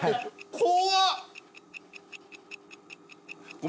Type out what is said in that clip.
怖っ！